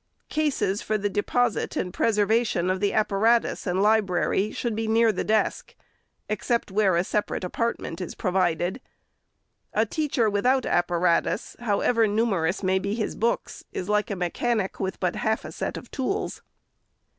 Cases for the deposit and preservation of the apparatus and library should be near the desk, except where a separate apartment is provided. A teacher without apparatus, — however numerous may be hi* books, — is like a mechanic with but half a set of tools.